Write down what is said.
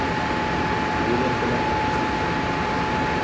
Үҙем беләм!